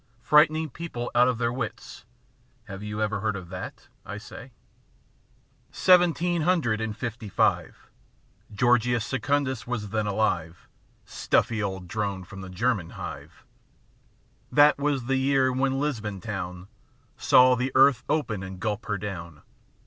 Frightening the people out of their wits â Have you ever heard of that, I say ? Seventeen hundred and fifty five, Oeorgius Secundus was then alive â Stufify old drone from the German hive. That was the year when Lisbon town Saw the earth open and gulp her down.